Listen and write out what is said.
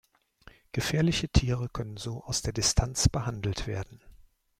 Gefährliche Tiere können so aus der Distanz behandelt werden.